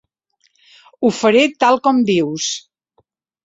Ho faré tal com dius.